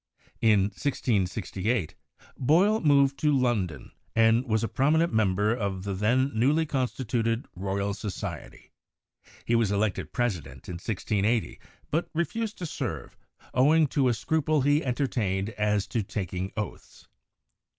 In 1668 Boyle moved to London and was a promi nent member of the then newly constituted Royal Society. He was elected president in 1680, but refused to serve, ow ing to a scruple he entertained as to taking oaths.